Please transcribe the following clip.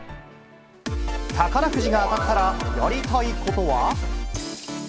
宝くじが当たったらやりたいことは？